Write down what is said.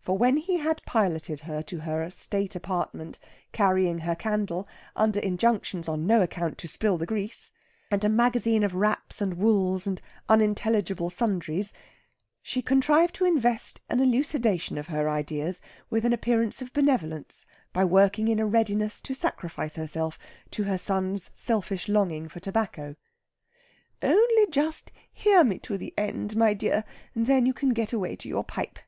For when he had piloted her to her state apartment, carrying her candle, under injunctions on no account to spill the grease, and a magazine of wraps and wools and unintelligible sundries, she contrived to invest an elucidation of her ideas with an appearance of benevolence by working in a readiness to sacrifice herself to her son's selfish longing for tobacco. "Only just hear me to the end, my dear, and then you can get away to your pipe.